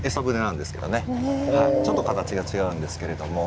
ちょっと形が違うんですけれども。